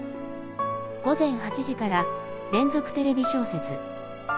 「午前８時から『連続テレビ小説』」。